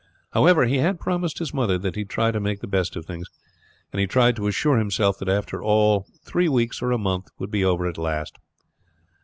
However, he had promised his mother that he would try to make the best of things; and he tried to assure himself that after all three weeks or a month would be over at last.